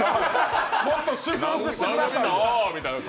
もっと祝福してください。